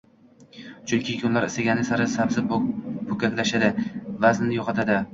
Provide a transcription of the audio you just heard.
Chunki kunlar isigani sari sabzi poʻkaklashadi, vaznini yoʻqotadi.